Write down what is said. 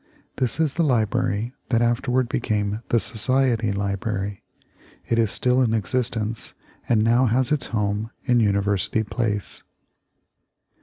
This is the library that afterward became the Society Library. It is still in existence, and now has its home in University Place.